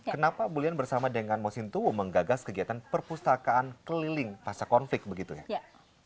kenapa bulian bersama dengan mosintowo menggagas kegiatan perpustakaan keliling pasca konflik begitu ya